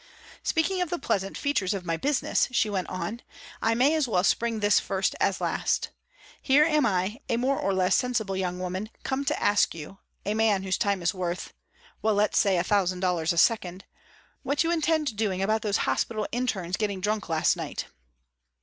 "Speaking of the pleasant features of my business," she went on, "I may as well spring this first as last. Here am I, a more or less sensible young woman, come to ask you, a man whose time is worth well, let's say a thousand dollars a second what you intend doing about those hospital interns getting drunk last night!"